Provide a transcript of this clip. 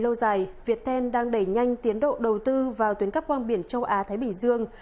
lâu dài việt tên đang đẩy nhanh tiến độ đầu tư vào tuyến cắp quang biển châu á thái bình dương